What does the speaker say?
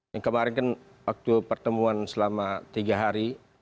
yang kemarin kan waktu pertemuan selama tiga hari